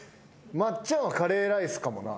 松ちゃんはカレーライスかもな。